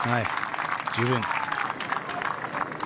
十分。